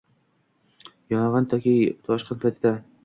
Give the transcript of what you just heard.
Yong‘in yoki toshqin paytida